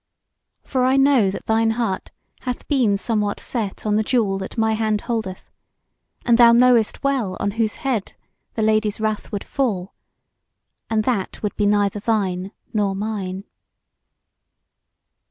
For I know that thine heart hath been somewhat set on the jewel that my hand holdeth; and thou knowest well on whose head the Lady's wrath would fall, and that would be neither thine nor mine."